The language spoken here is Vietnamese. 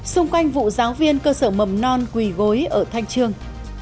xung quanh vụ giáo viên cơ sở mầm non quỳ gối ở thanh trương